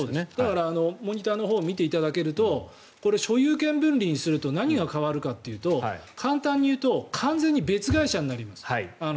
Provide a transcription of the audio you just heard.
モニターを見ていただくとこれ、所有権分離にすると何が変わるかというと簡単に言うと完全に別会社になります